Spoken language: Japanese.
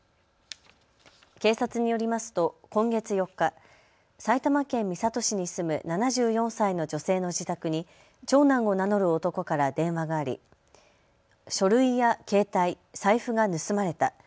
警察によりますと今月４日、埼玉県三郷市に住む７４歳の女性の自宅に長男を名乗る男から電話があり書類や携帯、財布が盗まれた。